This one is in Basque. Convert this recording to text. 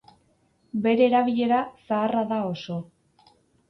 Bere erabilera zaharra da oso.